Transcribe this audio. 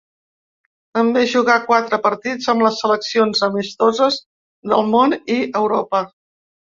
També jugà quatre partits amb les seleccions amistoses del Món i Europa.